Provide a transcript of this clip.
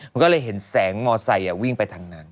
มันก็เลยเห็นแสงมอไซค์วิ่งไปทางนั้น